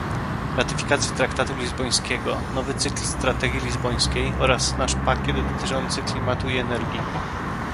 ratyfikację traktatu lizbońskiego, nowy cykl strategii lizbońskiej oraz nasz pakiet dotyczący klimatu i energii